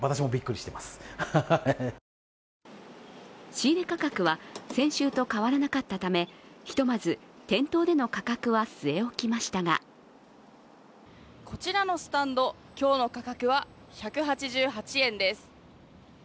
仕入れ価格は、先週と変わらなかったためひとまず、店頭での価格は据え置きましたがこちらのスタンド、今日の価格は１８８円です。